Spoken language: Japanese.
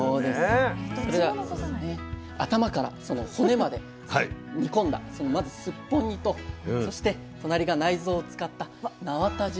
それでは頭からその骨まで煮込んだまずすっぽん煮とそして隣が内臓を使ったなわた汁です。